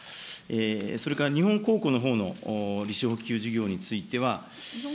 それから日本公庫のほうの利子補給事業につきましては。